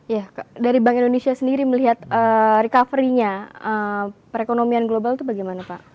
ya dari bank indonesia sendiri melihat recovery nya perekonomian global itu bagaimana pak